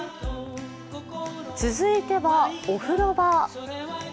続いてはお風呂場。